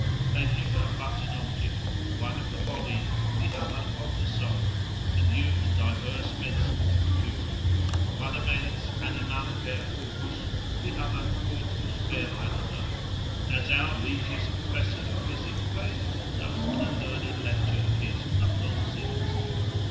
They differ but in object, the one of the body, the other of the soul, and use divers medicines to cure; one amends animam per corpus, the other corpus per animam as our Regius Professor of physic well informed us in a learned lecture of his not long since.